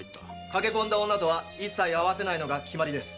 駆け込んだ女とは一切会わせないのが決まりです。